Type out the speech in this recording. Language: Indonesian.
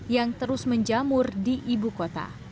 yang terus menjamur di ibu kota